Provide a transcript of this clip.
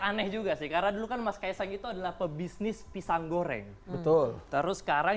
aneh juga sih karena dulu kan mas kaisang itu adalah pebisnis pisang goreng betul terus sekarang